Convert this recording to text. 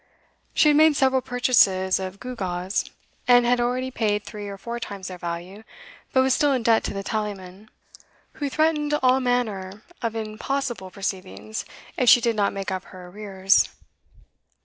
She had made several purchases of gewgaws, and had already paid three or four times their value, but was still in debt to the tallyman, who threatened all manner of impossible proceedings if she did not make up her arrears.